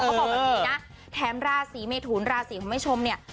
บอกแบบนี้นะแถมราศีเมทุนราศีของแม่ชมเนี่ย